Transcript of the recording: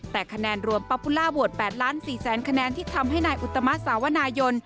แต่คะแนนรวมป๊อปุล่าโหวต๘ล้าน๔แสนคะแนนที่ทำให้นายอุตมะสาวนายน